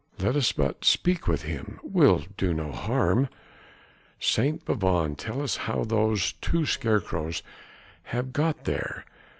"Let us but speak with him. We'll do no harm!" St. Bavon tell us how those two scarecrows have got here!